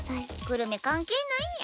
グルメ関係ないにゃ。